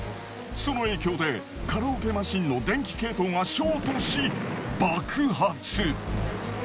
その影響でカラオケマシンの電気系統がショートし爆発！